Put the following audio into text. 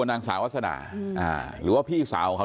นางมอนก็บอกว่า